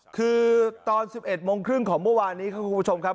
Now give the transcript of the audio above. คือตอน๑๑โมงครึ่งของเมื่อวานนี้ครับคุณผู้ชมครับ